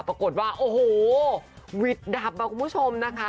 ปรากฏว่าโอ้โหวิดดับอ่ะคุณผู้ชมนะคะ